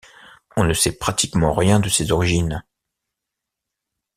On ne sait pratiquement rien de ses origines.